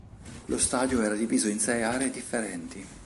Lo stadio era diviso in sei aree differenti.